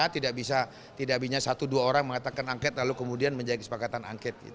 tidak bisa tidak bisa satu dua orang mengatakan angket lalu kemudian menjadi kesepakatan angket